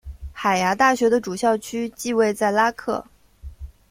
海牙大学的主校区即位在拉克。